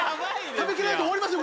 食べきらないと終わりますよ